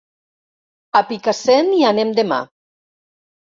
A Picassent hi anem demà.